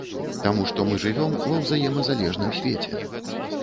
Таму што мы жывём ва ўзаемазалежным свеце.